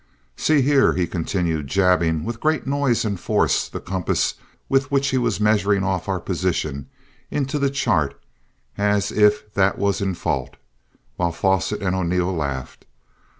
"See here," he continued, "jabbing," with great noise and force the compasses with which he was measuring off our position, into the chart, as if that was in fault, while Fosset and O'Neil laughed.